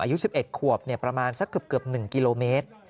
อายุ๑๑ขวบประมาณสักเกือบ๑กิโลเมตร